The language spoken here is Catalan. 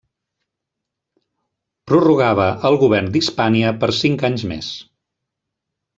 Prorrogava el govern d'Hispània per cinc anys més.